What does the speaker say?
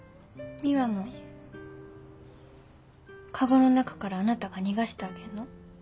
美羽も籠の中からあなたが逃がしてあげるの？